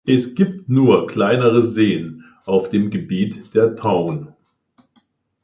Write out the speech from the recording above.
Es gibt nur kleinere Seen auf dem Gebiet der Town.